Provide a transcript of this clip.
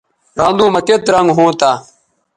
رھاندو مہ کیئت رنگ ھونتہ